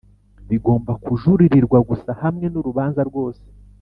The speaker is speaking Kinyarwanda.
Bigomba kijuririrwa gusa hamwe n’urubanza rwose